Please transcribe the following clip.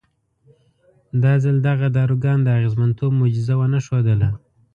دا ځل دغه داروګان د اغېزمنتوب معجزه ونه ښودله.